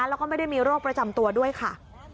แล้วก็ไม่ได้มีโรคประจำตัวด้วยค่ะ